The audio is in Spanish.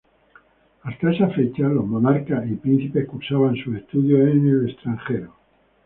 Hasta esa fecha, los monarcas y príncipes cursaban sus estudios en el extranjero.